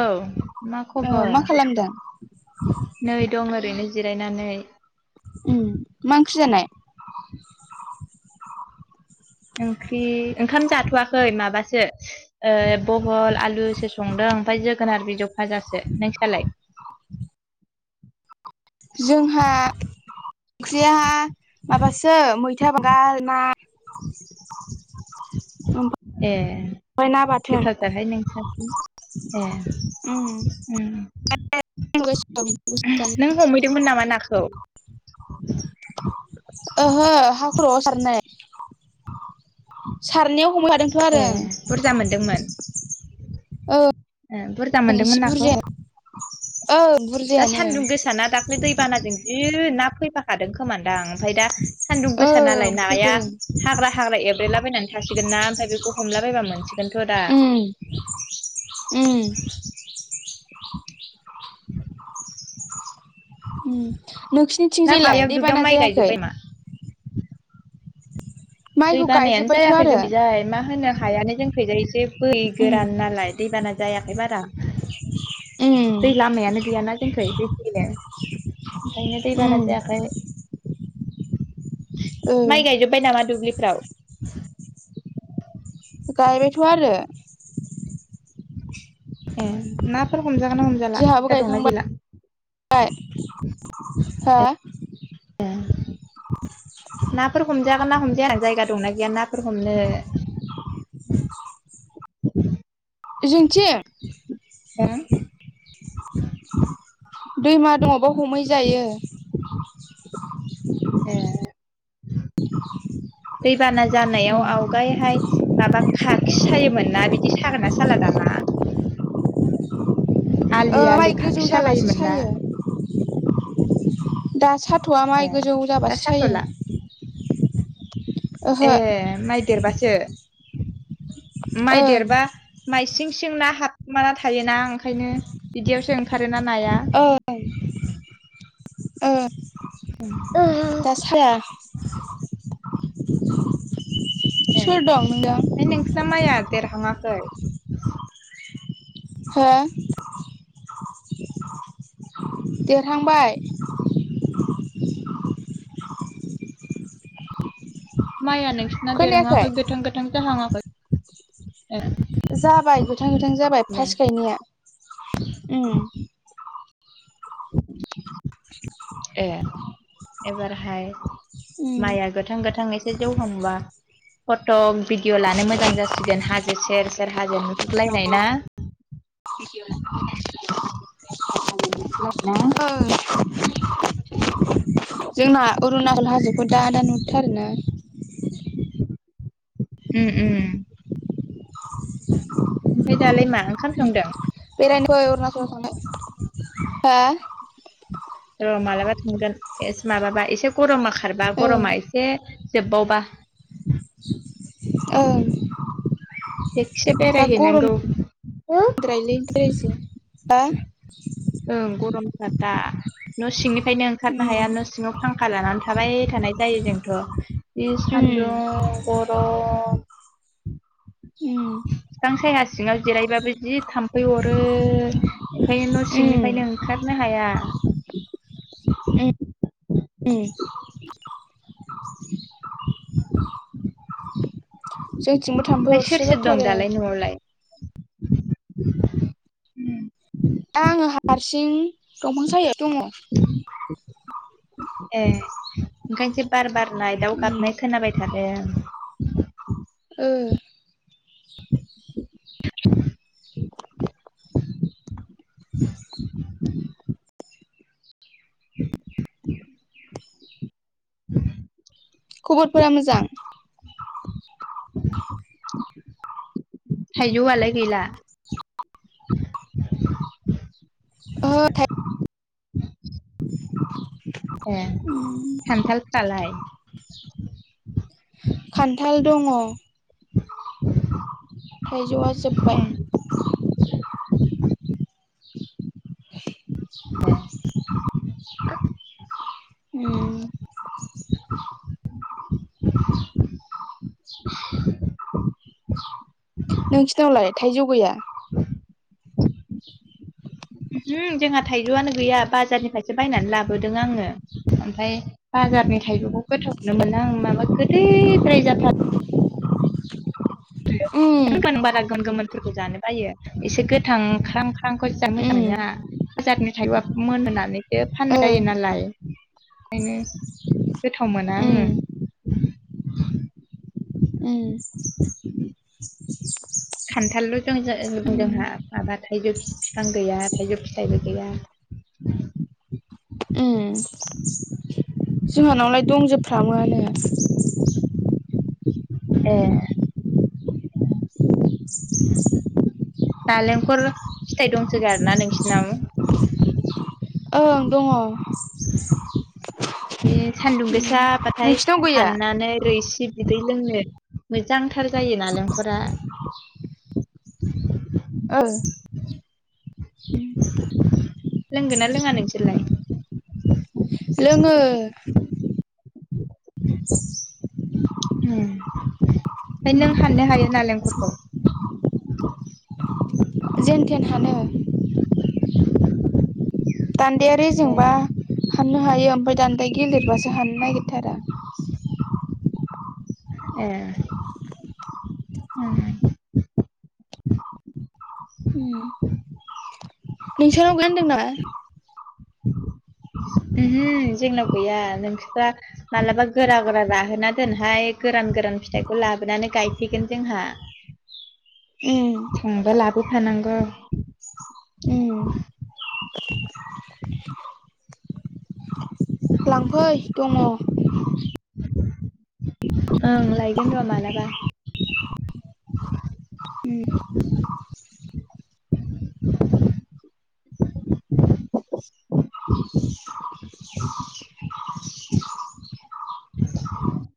औ मा औ मा खबर? खालामदों नै दं ओरैनो जिरायनानै। ओम मा ओंख्रि जानाय? ओंख्रि ओंखाम जाथ'वाखै माबासो ओ बहल आलुसो संदों ओमफ्राय जोगोनार बिजौ भाजासो नोंसिनालाय? जोंहा ओंख्रिया माबासो मैथा बांगाल ना ए ओमफ्राय ना बाथोन गोथावथारहाय नोंसासो। ए उम ओम ओम। नों हमहैदोंमोन नामा नाखौ? ओहो हाखरआव सारनाय, सारनायाव हमफादोंथ' ए आरो ओं। बुरजा मोनदोंमोन ओम औ एसे बुरजाया ओं दा बुरजायानो सान्दुं गोसाना दाख्लै दैबानाजों जि ना फैबाखादों खोमादां ओमफ्राय दा सान्दुं गोसा नालाय ओं नाया फैदों हाग्रा हाग्रा एब्रेलाबायनानै थासिगोन ना ओमफाय बेखौ हमला बायबा मोनसि गोनथ' दा उम उम [inaudible] उम नोंसोरनिथिं ना जायलाय माबायाव दुब्लियाव दैबाना माइ जायाखै? गायजोब्बाय मा दै माइखौ बानायानो गायजोब्बायथ' जायाखै आरो जोंनिखैजाय मा होनो मा होनो हायानो जोंखैजाय एसे बै उम गोरान नालाय। दैबाना जायाखै बारा उम दै लामायानो गैयाना जोंखै दै फैनो ओंखायनो दै बाना उम जायाखै ओ माइ गायजोबबाय नामा दुब्लिफ्राव? गायबायथ' आरो। ए ना फोर हमजागोन ना हमजाला जोंहाबो दा दंना गायखांबाय गैला हा ए ए नाफोर हमजागोना हमजाया जायगा दंना गैया नाफोर हमनो [inaudible] जोंथिं? ओं दैमा दङ बाव हमहैजायो ए दैबाना जानायाव आवगायहाय माबा खाखि सायोमोन ना बिदि सागोना साला दाना ओ आलि माइ आलि गोजौ खाखि जाबासो सालायोमोन ना सायो दा साथ'आ माइ ए गोजौ दा जाबासो सायो साथ'ला ओहो ए माइ देरबासो माइ ओं देरबा मायसिं सिं ना हाबखुमाना थायोना ओंखायनो बिदियावसो ओंखारो ना ओं ओं दा साया ए सोर दं नोंजों फाय नोंसिना माइया देरहांआखै हो देरहांबाय माइया नोंसिना खोनायाखै देरहाङाखै गोथां गोथां जाहाङाखै ए जाबाय गोथां गोथां जाबाय नै फास गायनाया उम ए एबारहाय उम माइआ गोथां गोथां एसे जौहांबा फटग भिडिअ' लानो मोजां जासिगोन हाजो सेर सेर हाजो नुहुरलायनाय ना [unintelligible] [unintelligible] [inaudible] जोंना अरुणाचल हाजोखौ दा दा नुथारोना उम उम ओमफ्राय दालाय मा ओंखाम उम संदों बेरायनो फै अरुणाचलाव थांनो हा र' मालाबा थांगोन एस माबाबा एसे गरमा खारबा ओं गरमा ए से जोबबावबा ओं थिगसे दा गरम बेरायहैनांगौ हम [unintelligible] ओं गरमथार दा न' सिंनिफ्रायनो ओंखारनो हाया उम न' सिङाव फां खा लानानै थाबाय थानाय जायो जोंथ' जि सान्दुं उम गरम उम फिफां सायहा सिङाव जिरायबाबो जि थाम्फै अरो ओंखायनो न' उम सिंनिफ्रायनो ओं खारनो हाया उम जोंथिंबो थाम्फै ओमफ्राय सोर सोर दं अरसोगारथारो दालाय न'आवलाय आङो हारसिं दंफां सायहायाव दङ [inaudible] ए ओंखायनोसो बार बारनाय दाउ उम गाबनाय खोनाबाय थादों ओ [inaudible] [inaudible] [inaudible] [inaudible] खबरफोरा मोजां थायजौ आलाय गैला ओहो [unintelligible] ए खान्थालफ्रालाय [inaudible] खान्थाल दंङ थाइजौआ जोब्बाय ए [unintelligible] उम नोंसिनावलाय थाइजौ गैया? ओंहो जोंहा थाइजौआनो गैया बाजारनिफ्रायसो बायनानै लाबोदों आंङो। ओमफाय बाजारनि थाइजौखौ गोथावखौनो मोनो आं माबा गोदैद्राय जाथा रो। उम [unintelligible] बारा गोमोन गोमोनफोरखौ जानो बायो एसे गोथां ख्राम ख्रामखौसो जानो उम मोजां मोनो आंहा। बाजारनि थाइबा मोनहोनानैसो ओ फाननाय जायो नालाय। ओंखायनो गोथाव मोना उम आंङो। उम खान्थालल' जों उम जोंहा माबा थाइजौ बिफां गैया थाइजौ फिथाइबो गैया। उम जोंहानावलाय दंजोबफ्रामो। ए नालेंखल' फिथाइ दंसोगारो ना नोंसिनाव? ओं दंङ ए सान्दुं गोसाबाथाय नोंसिनाव गैया हाननानै रैसि बिदै लोंनो मोजांथार जायो नालेंखरा ओ लोंगोन ना लोङा नोंसोरलाय? लोंङो उम ओमफाय नों हाननो हायो नालेंखरखौ? जेन थेन हानो दान्दाया रेजेंबा हाननो हायो ओमफाय दान्दाया गिलिरबासो हाननो नागिरथारा। ए उम नोंसानाव गान्दोंना? ओमहो जोंनाव गैया नोंसोदा मालाबा गोरा गोरा राहोना दोनहाय गोरान गोरान फिथाइखौ लाबोनानै गायफैगोन जोंहा। उम थांबा लाबोफानांगौ। उम लांफै दङ। ओं लायगोन र' मालाबा। उम [inaudible] [inaudible]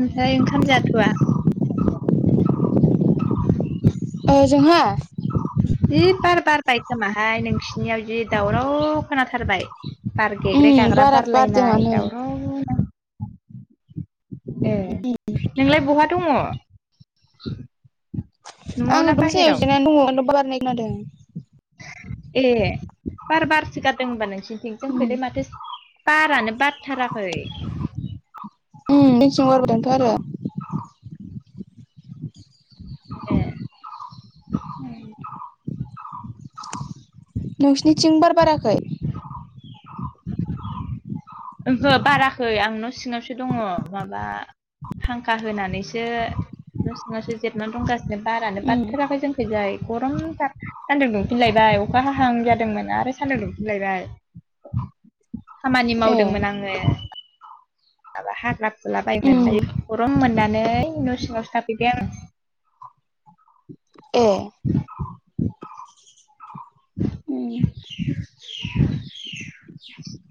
ओमफ्राय ओंखाम जाथ'वा? ओ जोंहा? जि बार बारबाय खोमाहाय नोंसिनियाव जि दावराव खोनाथारबाय। बार गेग्रे उम गाग्रा बारा बारलायनाय बारदोंआनो दावराव। ए नोंलाय बहा दङ? आङो ना दंफां सायाव बाहेराव जिरायना दङ [unintelligible] बारनाय खोनादों। ए बार बारसो गारदों होनबा नोंसो थिं उम जोंखैलाय माथो बारानो बारथाराखै। उम [unintelligible] बारबोदोंथ' आरो। ए उम नोंसिनिथिं बार बाराखै? [inaudible] ओंहो बाराखै आं न' सिङावसो दङ माबा फांखा होनानैसो न' सिङावसो जिरना दंगासिनो बारानो उम बारथाराखै जों खैजाय गरमथार सान्दुं दुंफिनलायबाय अखा हाहां जादोंमोन आरो सान्दुं दुंफिनलायबाय। खामानि ए मावदोंमोन आङो। माबा हाग्रा फुलाबायमोन उम ओमफाय गर'म मोननानै न' सिङावसो थाफैबाय आं। ए उम [inaudible]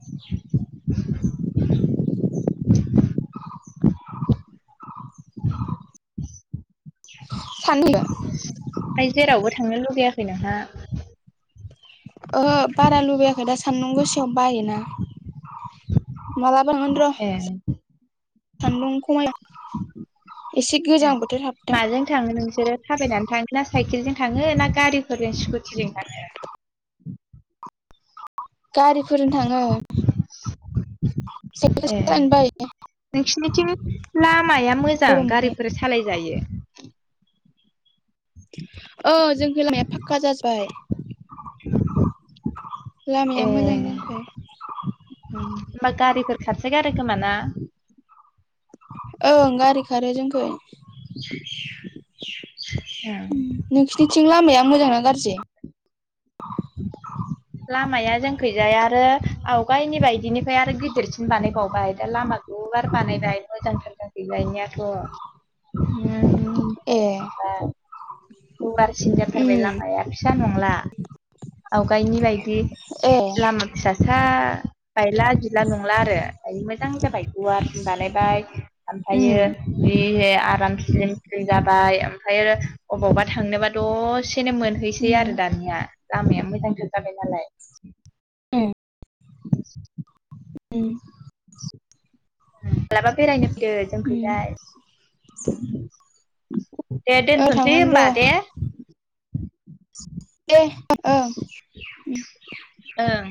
[inaudible] [inaudible] [unintelligible] फाय जेरावबो थांनो लुगैयाखै नोंहा? ओहो बारा लुबैयाखै दा सान्दुं गोसायाव बायोना। मालाबा थांगोन र'। ए सान्दुं खमाय एसे गोजां बोथोर हाबथों। माजों थाङो नोंसोरो थाबायनानै थाङोन ना साइकेलजों थाङो ना गारिफोरजों स्कुटिजों थाङो? गारिफोरजों थाङो। साइकेल ए सालायनो बायो नोंसोरनिथिं लामाया मोजां गरमावहाय गारिफोर सालायजायो। औ जोंनिजों लामाया फाक्का जाजोब्बाय। लामाया ए मोजां जायाखै। होमबा गारिफोर खोरसो गारोखोमा ना? ओं गारि खारो जोंनिखै ओं नोंसोरनिथिं लामाया मोजांना गाज्रि? लामाया जोंखैजाय आरो आवगायनि बायदिनिफ्राय आरो गिदिरसिन बानायबावबाय दा लामा गुवार बानायबाय मोजां जाथारबाय गायनायाथ' ए गुवारसिन जाथारबाय उम लामाया फिसा नंला आवगायनि बायदि। ए लामा फिसासा बायला जिला नंला आरो दायो मोजां जाबाय गुवारसिन बानायबाय ओमफ्रायो उम बे आराम स्लिम जाबाय ओमफ्रायो अबावबा थांनोबा दसेनो मोनहैसै आरो उम दानिया लामाया मोजांथार जाबाय नालाय। ओम ओ माबलाबा बेरायनो फैदो उम जोंखैजाय दे ओ दोनथ'सै थांगोन र' होबा दे। दे ओं। ओं।